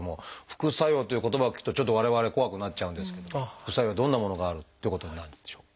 「副作用」という言葉を聞くとちょっと我々怖くなっちゃうんですけども副作用どんなものがあるっていうことになるんでしょう？